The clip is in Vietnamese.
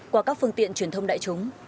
qua các phương tiện truyền thông đại chúng